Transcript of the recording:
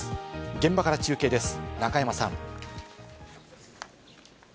現場から中継です、中山さん。